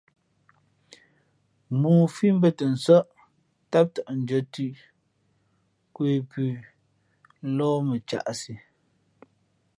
Mōō fǐ mbᾱtαnsάʼ ntám tαʼ ndʉ̄ᾱ nthʉ́ nkwe pʉ lōh mα caʼsi.